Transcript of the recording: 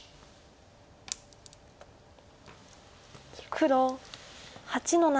黒８の七。